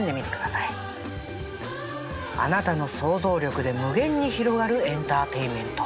あなたの想像力で無限に広がるエンターテインメント。